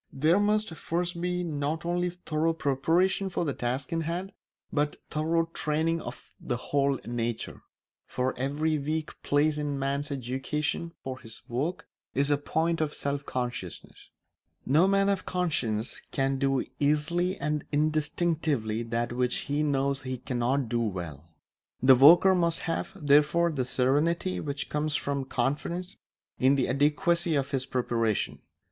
There must first be not only thorough preparation for the task in hand but thorough training of the whole nature; for every weak place in a man's education for his work is a point of self consciousness. No man of conscience can do easily and instinctively that which he knows he cannot do well. The worker must have, therefore, the serenity which comes from confidence in the adequacy of his preparation.